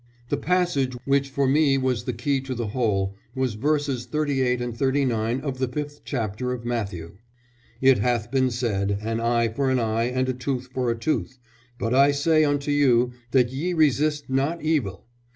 "The passage which for me was the key to the whole was verses 38 and 39 of the fifth chapter of Matthew: 'It hath been said, An eye for an eye and a tooth for a tooth: but I say unto you, that ye resist not evil.'